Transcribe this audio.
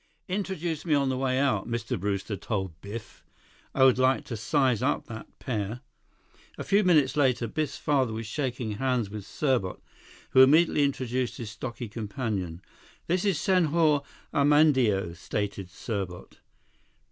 "Introduce me on the way out," Mr. Brewster told Biff. "I would like to size up that pair." A few minutes later, Biff's father was shaking hands with Serbot, who immediately introduced his stocky companion. "This is Senhor Armandeo," stated Serbot.